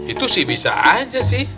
itu sih bisa aja sih